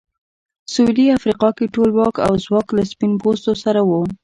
سوېلي افریقا کې ټول واک او ځواک له سپین پوستو سره و.